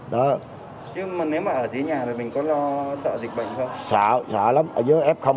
chứ mà nếu mà ở dưới nhà thì mình có lo sợ dịch bệnh không